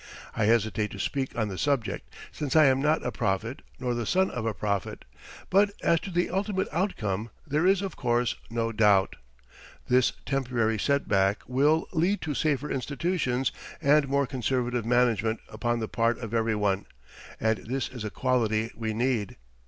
I hesitate to speak on the subject, since I am not a prophet nor the son of a prophet; but as to the ultimate outcome there is, of course, no doubt. This temporary set back will lead to safer institutions and more conservative management upon the part of everyone, and this is a quality we need.